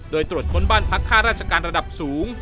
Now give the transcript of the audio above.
โดยตรวจค้นบ้านพักค่าราชการระดับสูง